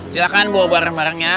silahkan bawa barang barangnya